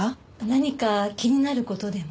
何か気になる事でも？